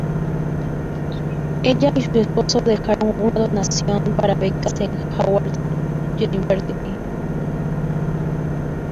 Ella y su esposo dejaron una donación para becas en "Howard University.